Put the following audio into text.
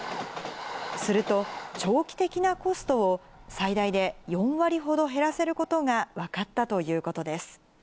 すると、長期的なコストを最大で４割ほど減らせることが分かったということです。